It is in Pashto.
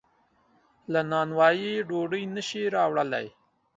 له نانوایۍ ډوډۍ نشي راوړلی.